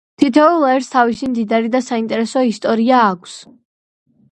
თითოეულ ერს თავისი მდიდარი და საინტერესო ისტორია აქვს.